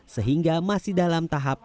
sehingga masih dalam tahap p sembilan belas